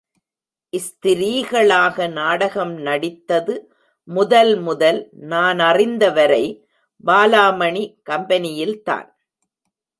ஸ்திரீகளாக நாடகம் நடித்தது முதல் முதல், நானறிந்தவரை பாலாமணி கம்பெனியில்தான்.